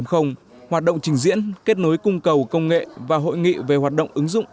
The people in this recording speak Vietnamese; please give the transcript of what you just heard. hoạt động trình diễn kết nối cung cầu công nghệ và hội nghị về hoạt động ứng dụng